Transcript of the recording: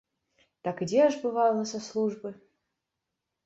Так ідзеш, бывала, са службы.